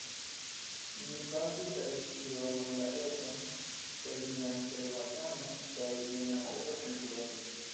Mi pafis al ŝi dormosageton per mia cerbatano, kaj jen afero sen tubero.